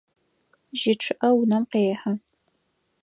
Жьы чъыӏэ унэм къехьэ.